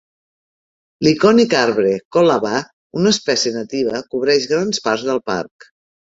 L'icònic arbre coolabah, una espècie nativa, cobreix grans parts del parc.